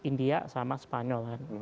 india sama spanyol kan